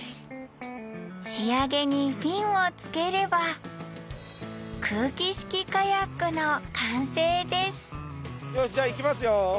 仕上げにフィンを付ければ気式カヤックの完成ですしじゃあ行きますよ。